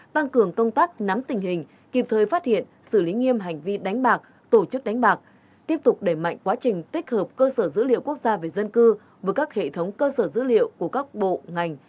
tăng cường công tác nắm tình hình kịp thời phát hiện xử lý nghiêm hành vi đánh bạc tổ chức đánh bạc tiếp tục đẩy mạnh quá trình tích hợp cơ sở dữ liệu quốc gia về dân cư với các hệ thống cơ sở dữ liệu của các bộ ngành